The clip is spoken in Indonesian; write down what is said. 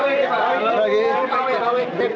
ada yang belum dapat barang bukti